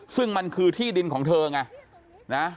ซึ่งมันคือที่ดินของเธอไงนะ